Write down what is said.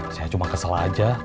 saya cuma kesel aja